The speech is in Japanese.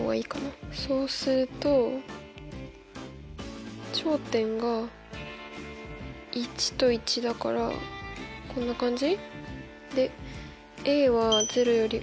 そうすると頂点が１と１だからこんな感じ？